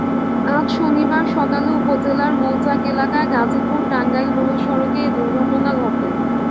আজ শনিবার সকালে উপজেলার মৌচাক এলাকায় গাজীপুর টাঙ্গাইল মহাসড়কে এ দুর্ঘটনা ঘটে।